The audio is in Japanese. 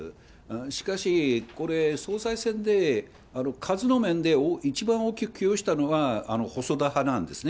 しかし、これ、総裁選で数の面で一番大きく寄与したのは、細田派なんですね。